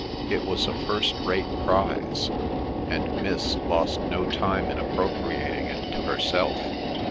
It was a first rate prize, and Miss lost no time in appropriating it to herself.